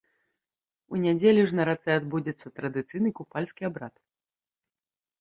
У нядзелю ж на рацэ адбудзецца традыцыйны купальскі абрад.